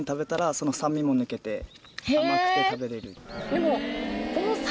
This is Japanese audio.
でも。